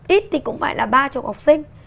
ít thì cũng phải là ba chục học sinh